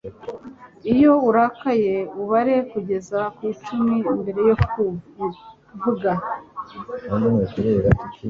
Iyo urakaye ubare kugeza ku icumi mbere yo kuvuga